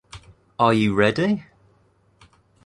Are you ready?